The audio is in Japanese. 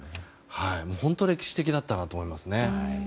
本当に歴史的だったと思いますね。